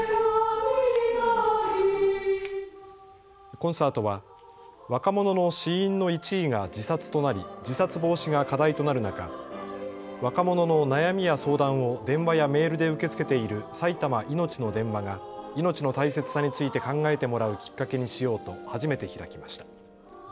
コンサートは若者の死因の１位が自殺となり自殺防止が課題となる中、若者の悩みや相談を電話やメールで受け付けている埼玉いのちの電話が命の大切さについて考えてもらうきっかけにしようと初めて開きました。